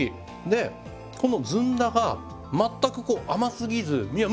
でこのずんだが全くこう甘すぎずいや